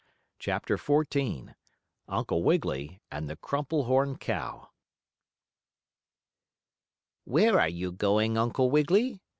CHAPTER XIV UNCLE WIGGILY AND THE CRUMPLE HORN COW "Where are you going, Uncle Wiggily?"